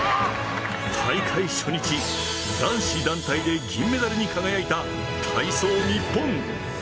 大会初日、男子団体で銀メダルに輝いた、体操ニッポン。